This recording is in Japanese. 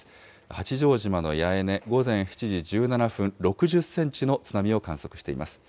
八丈島の八重根、午前７時１７分、６０センチの津波を観測しています。